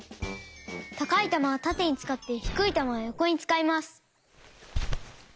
たかいたまはたてにつかってひくいたまはよこにつかいます。